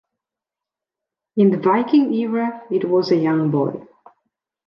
In the Viking era, it was a young boy.